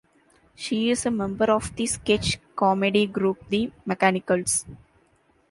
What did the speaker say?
She is a member of the sketch comedy group The Mechanicals.